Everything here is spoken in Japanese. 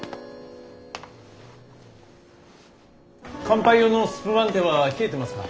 乾杯用のスプマンテは冷えてますか。